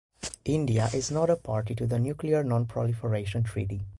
India is not a party to the Nuclear Non-Proliferation Treaty.